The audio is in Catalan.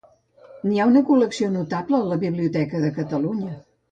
N'hi ha una col·lecció notable a la Biblioteca de Catalunya.